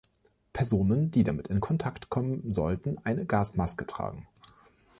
Personen, die damit in Kontakt kommen, sollten eine Gasmaske tragen.